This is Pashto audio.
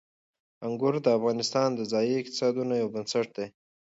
انګور د افغانستان د ځایي اقتصادونو یو بنسټ دی.